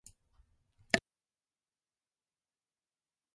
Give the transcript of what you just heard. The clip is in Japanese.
洗濯する。